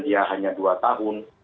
dia hanya dua tahun